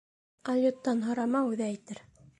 Алйоттан һорама, үҙе әйтер.